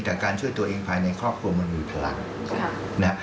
แต่การช่วยตัวเองภายในครอบครัวมันมีพลังนะ